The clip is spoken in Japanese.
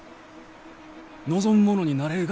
望む者になれるがやき！